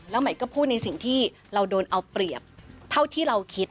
แล้วใหม่ก็พูดในสิ่งที่เราโดนเอาเปรียบเท่าที่เราคิด